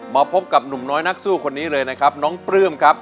มาพบกับหนุ่มน้อยนักสู้คนนี้เลยนะครับน้องปลื้มครับ